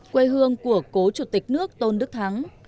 quê hương của cố chủ tịch nước tôn đức thắng